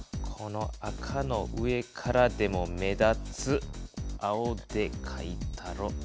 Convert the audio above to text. この赤の上からでも目立つ青でかいたろ。